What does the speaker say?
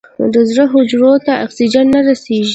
د زړه حجرو ته اکسیجن نه رسېږي.